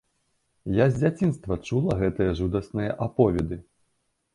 Я з дзяцінства чула гэтыя жудасныя аповеды.